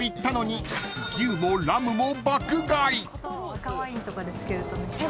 赤ワインとかで漬けると。